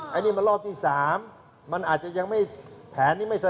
อ๋อแต่ที่จริงคือจะเป็นอีก